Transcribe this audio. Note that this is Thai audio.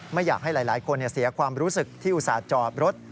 ไม่อยากให้หลายคนเสียความรู้สึกที่อุตส่าห์จอดรถ